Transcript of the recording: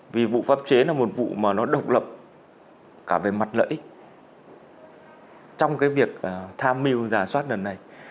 vì vụ pháp chế là một vụ mà nó độc lập cả về mặt lợi ích trong cái việc tham mưu giả soát lần này